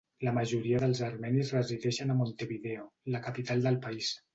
La majoria dels armenis resideixen a Montevideo, la capital del país.